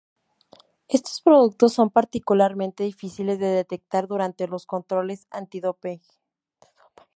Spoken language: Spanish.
Estos productos son particularmente difíciles de detectar durante los controles antidopaje.